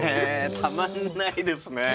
たまんないですね。